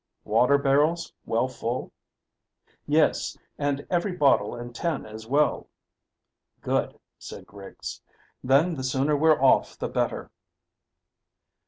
"Water barrels well full?" "Yes, and every bottle and tin as well." "Good," said Griggs; "then the sooner we're off the better."